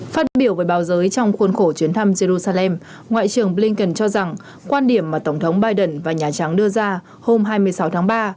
phát biểu với báo giới trong khuôn khổ chuyến thăm jerusalem ngoại trưởng blinken cho rằng quan điểm mà tổng thống biden và nhà trắng đưa ra hôm hai mươi sáu tháng ba